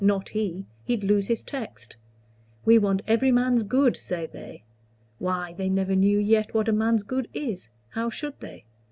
Not he. He'd lose his text. 'We want every man's good,' say they. Why, they never knew yet what a man's good is. How should they?